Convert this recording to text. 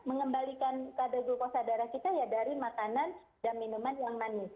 mengembalikan kada glukosa darah kita ya dari makanan dan minuman yang manis